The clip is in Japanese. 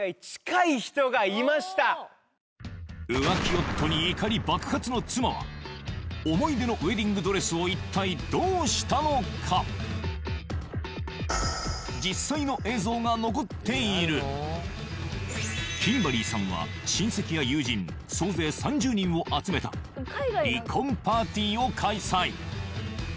浮気夫に怒り爆発の妻は思い出のウェディングドレスを一体どうしたのか？が残っているキンバリーさんは親戚や友人総勢３０人を集めた離婚パーティーを開催